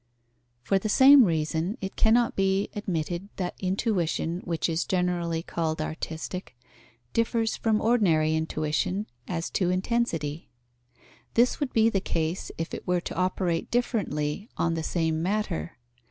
_ For the same reason, it cannot be admitted that intuition, which is generally called artistic, differs from ordinary intuition as to intensity. This would be the case if it were to operate differently on the same matter.